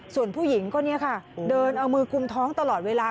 ส่วนผู้หญิงก็เดินเอามือกุมท้องตลอดเวลา